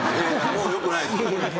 もうよくないですよ。